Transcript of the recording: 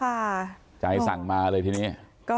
ใจสั่งมาเลยทีนี้